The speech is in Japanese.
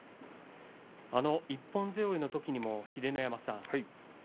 あの一本背負いのときにも秀ノ山さん